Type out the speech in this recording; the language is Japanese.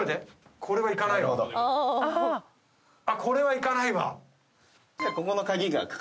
これはいかないわ。